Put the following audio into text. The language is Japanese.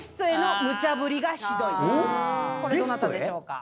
これどなたでしょうか？